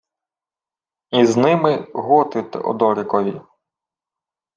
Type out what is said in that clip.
— Із ними готи Теодорікові.